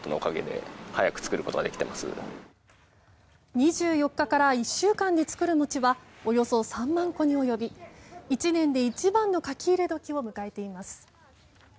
２４日から１週間に作る餅はおよそ３万個に及び１年で一番の書き入れ時を迎えています。